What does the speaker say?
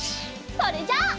それじゃあ。